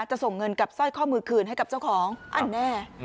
ส่งเงินกับสร้อยข้อมือคืนให้กับเจ้าของอันแน่